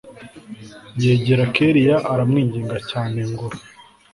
yegera kellia aramwinginga cyane ngo